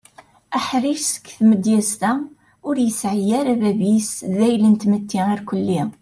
Aḥric seg tmedyaz-a ur yesɛi ara bab-is d ayla n tmetti irkeli.